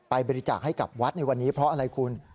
บริจาคให้กับวัดในวันนี้เพราะอะไรคุณ